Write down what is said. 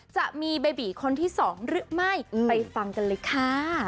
จะมีเบบีคนที่สองหรือไม่ไปฟังกันเลยค่ะ